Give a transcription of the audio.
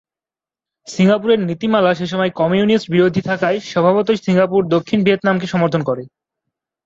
সিঙ্গাপুরের নীতিমালা সেসময় কমিউনিস্ট-বিরোধী থাকায় স্বভাবতই সিঙ্গাপুর দক্ষিণ ভিয়েতনামকে সমর্থন করে।